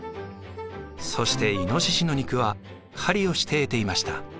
そしてイノシシの肉は狩りをして得ていました。